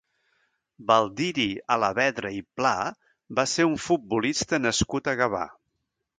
Baldiri Alavedra i Pla va ser un futbolista nascut a Gavà.